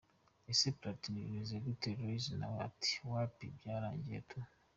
Ese Platini bimeze gute Rozy? Nawe ati: “Wapi, byararangiye tu.